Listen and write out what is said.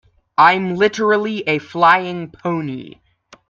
I'm literally a flying pony.